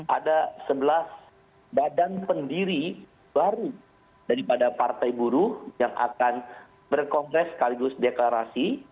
ada sebelas badan pendiri baru daripada partai buruh yang akan berkongres sekaligus deklarasi